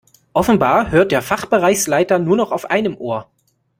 Offenbar hört der Fachbereichsleiter nur noch auf einem Ohr.